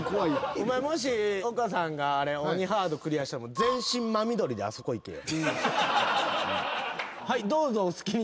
お前もし丘さんが鬼ハードクリアしたら全身真緑であそこ行けよ。